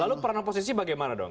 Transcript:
lalu peran oposisi bagaimana dong